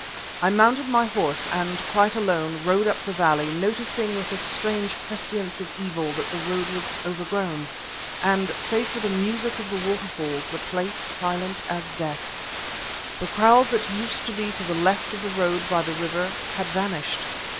I mounted my horse, and, quite alone, rode up the valley, noticing with a strange prescience of evil that the road was overgrown, and, save for the music of the waterfalls, the place silent as death. The kraals that used to be to the left of the road by the river had vanished.